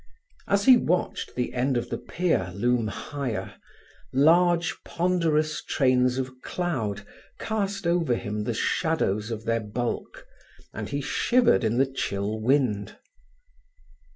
As he watched the end of the pier loom higher, large ponderous trains of cloud cast over him the shadows of their bulk, and he shivered in the chill wind.